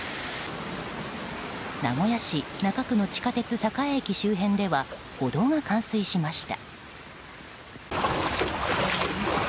名古屋市中区の地下鉄栄駅周辺では歩道が冠水しました。